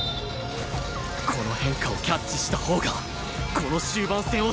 この変化をキャッチしたほうがこの終盤戦を制す！